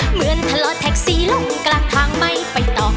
เหมือนทะเลาะแท็กซี่ลงกลางทางไม่ไปต่อ